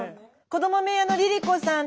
子ども部屋のリリコさん